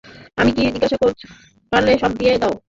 আমাকে কী জিজ্ঞাসা করছো, পারলে সব দিয়ে দাও।